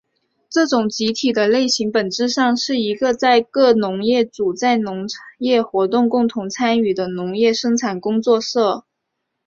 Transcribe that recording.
这种集体的类型本质上是一个在各农业主在农业活动共同参与的农业生产合作社。